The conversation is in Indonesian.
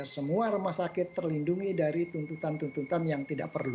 semua rumah sakit terlindungi dari tuntutan tuntutan yang tidak perlu